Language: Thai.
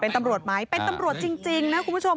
เป็นตำรวจไหมเป็นตำรวจจริงนะคุณผู้ชม